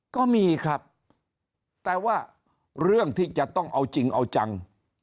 ก็มีครับแต่ว่าเรื่องที่จะต้องเอาจริงเอาจัง